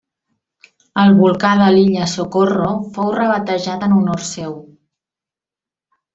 El volcà de l'illa Socorro fou rebatejat en honor seu.